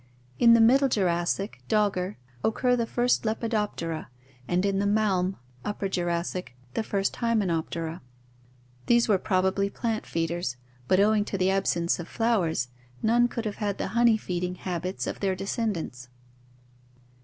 In the Middle Jurassic (Dogger) occur the first Lepidoptera and in the Malm (Upper Jurassic) the first Hymenoptera. These were probably plant feeders, but owing to the absence of flowers none could have had the honey feeding habits of their descendants.